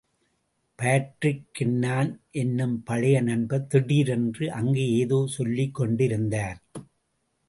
பாட்ரிக்கின்னான் என்னும் பழைய நண்பர் திடீரென்று அங்கு ஏதோ சொல்லிக் கொண்டிருந்தார்.